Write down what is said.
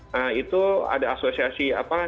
nah itu ada asosiasi apa